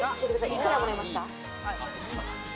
いくらもらいました？